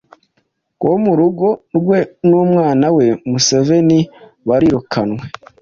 wo mu rugo, we n’umwana we Museveni barirukanwe,